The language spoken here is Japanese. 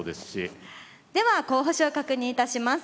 では候補手を確認いたします。